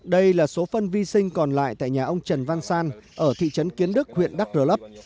đây là số phân vi sinh còn lại tại nhà ông trần văn san ở thị trấn kiến đức huyện đắk rờ lấp